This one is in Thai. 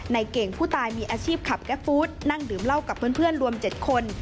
เก่งผู้ตายมีอาชีพขับแก๊ฟฟู้ดนั่งดื่มเหล้ากับเพื่อนรวม๗คน